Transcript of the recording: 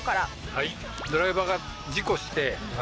はい。